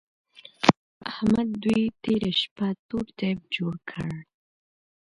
احمد دوی تېره شپه تور تيپ جوړ کړ.